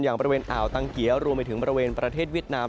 อย่างไเอาตางเกี๊ยรวมไปถึงประเทศวิทยาลัย